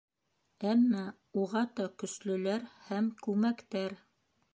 Әммә уғата көслөләр һәм күмәктәр.